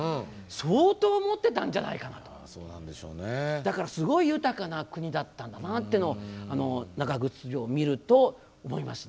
だからすごい豊かな国だったんだなというのをあの中城城を見ると思いますね。